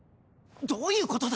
どういうことだ？